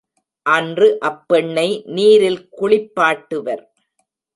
அன்று அப்பெண்ணை நீரில் குளிப்பாட்டுவர்.